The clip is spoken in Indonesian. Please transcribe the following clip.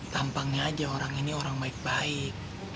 gampangnya aja orang ini orang baik baik